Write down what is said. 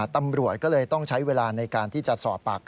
ตำรวจก็เลยต้องใช้เวลาในการที่จะสอบปากคำ